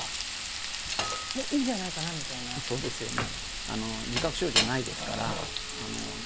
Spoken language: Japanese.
はいそうですよね